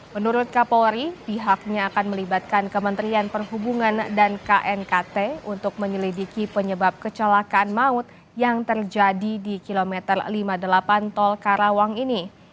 menurut kapolri pihaknya akan melibatkan kementerian perhubungan dan knkt untuk menyelidiki penyebab kecelakaan maut yang terjadi di kilometer lima puluh delapan tol karawang ini